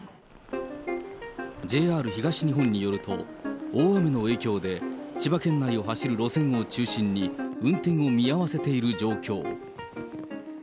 ＪＲ東日本によると、大雨の影響で、千葉県内を走る路線を中心に、運転を見合わせている状況。